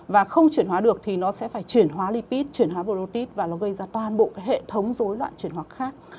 và không chuyển hóa được thì nó sẽ phải chuyển hóa lipid chuyển hóa protid và nó gây ra toàn bộ hệ thống dối loạn chuyển hóa khác